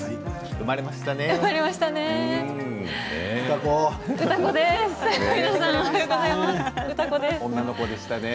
生まれましたね。